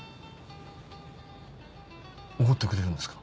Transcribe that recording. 奢ってくれるんですか？